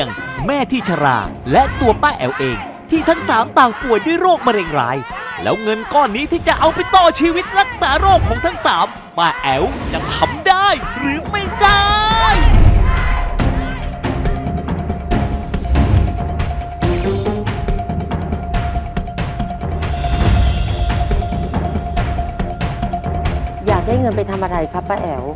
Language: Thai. อยากได้เงินไปทำอะไรครับป้าแอ๋ว